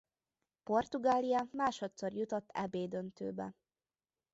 Portugália másodszor jutott Eb-döntőbe.